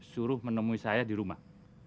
suruh menemui saya di rumah